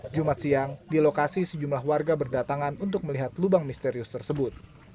jumat siang di lokasi sejumlah warga berdatangan untuk melihat lubang misterius tersebut